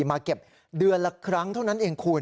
มาเก็บเดือนละครั้งเท่านั้นเองคุณ